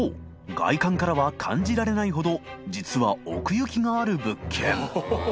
外観からは感じられないほど造奥行きがある物件